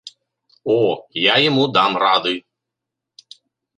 О, я яму дам рады!